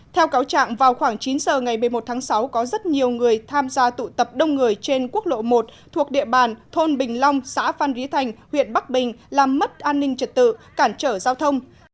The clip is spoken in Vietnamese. theo cáo trạng vào khoảng chín giờ ngày một mươi một tháng sáu có rất nhiều người tham gia tụ tập đông người trên quốc lộ một thuộc địa bàn thôn bình long xã phan rí thành huyện bắc bình làm mất an ninh trật tự cản trở giao thông